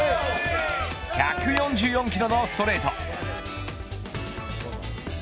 １４４キロのストレート。